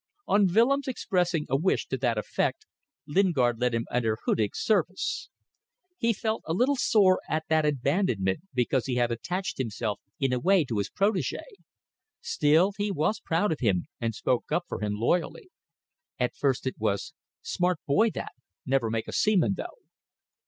On Willems expressing a wish to that effect, Lingard let him enter Hudig's service. He felt a little sore at that abandonment because he had attached himself, in a way, to his protege. Still he was proud of him, and spoke up for him loyally. At first it was, "Smart boy that never make a seaman though."